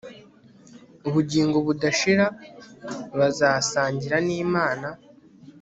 ubugingo budashira bazasangira nImana